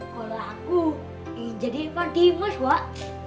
kalau aku ingin jadi pak dimas wak